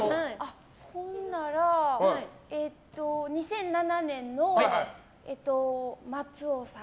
ほんなら、２００７年の松尾さん？